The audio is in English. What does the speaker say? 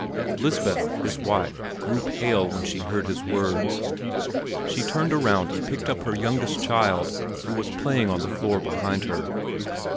Lisbeth, his wife, grew pale when she heard his words. She turned around and picked up her youngest child who was playing on the floor behind her.